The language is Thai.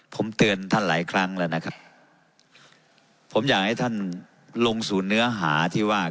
ผมเตือนท่านหลายครั้งแล้วนะครับผมอยากให้ท่านลงสู่เนื้อหาที่ว่า